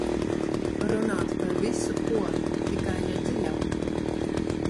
Runāt par visu ko, tikai ne dziļāko.